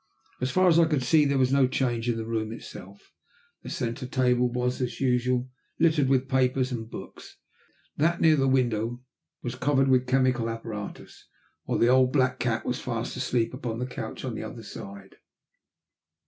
So far as I could see there was no change in the room itself. The centre table as usual was littered with papers and books, that near the window was covered with chemical apparatus, while the old black cat was fast asleep upon the couch on the other side.